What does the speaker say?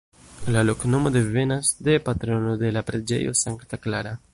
La loknomo devenas de patrono de la preĝejo Sankta Klara.